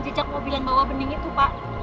jejak mobil yang bawa bening itu pak